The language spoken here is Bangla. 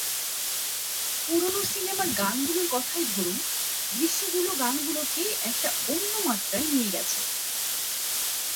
পুরোনো সিনেমার গানগুলোর কথাই ধরুন, দৃশ্যগুলো গানগুলোকে একটা অন্য মাত্রায় নিয়ে গেছে।